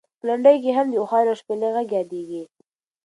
په لنډیو کې هم د اوښانو او شپېلۍ غږ یادېږي.